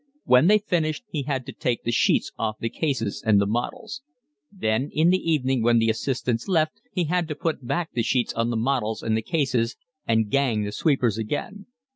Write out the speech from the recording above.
When they finished he had to take the sheets off the cases and the models. Then, in the evening when the assistants left, he had to put back the sheets on the models and the cases and 'gang' the sweepers again.